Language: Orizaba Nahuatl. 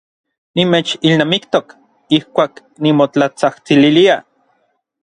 Nimechilnamiktok ijkuak nimotlatsajtsililia.